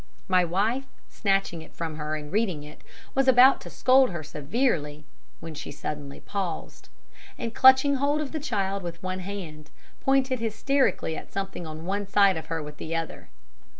My wife, snatching it from her, and reading it, was about to scold her severely, when she suddenly paused, and clutching hold of the child with one hand, pointed hysterically at something on one side of her with the other.